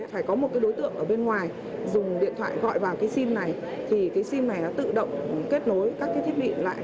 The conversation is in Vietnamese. phải có một cái đối tượng ở bên ngoài dùng điện thoại gọi vào cái sim này thì cái sim này nó tự động kết nối các cái thiết bị lại